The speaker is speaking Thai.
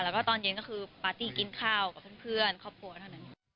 แล้วก็ตอนเย็นก็คือปาร์ตี้กินข้าวกับเพื่อนครอบครัวเท่านั้น